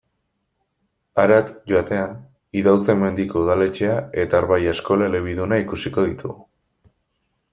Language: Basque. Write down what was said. Harat joatean, Idauze-Mendiko udaletxea eta Arbailla eskola elebiduna ikusiko ditugu.